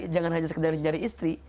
jangan hanya sekedar nyari istri